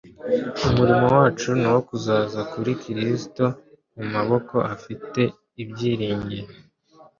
Umurimo wacu ni uwo kuzana kuri Kristo mu maboko afite ibyiringiro,